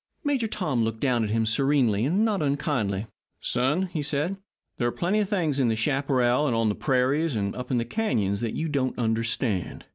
Major Tom looked down at him serenely and not unkindly. "Son," he said, "there are plenty of things in the chaparral, and on the prairies, and up the canyons that you don't understand.